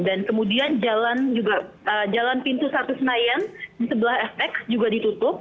dan kemudian jalan pintu satu senayan di sebelah fx juga ditutup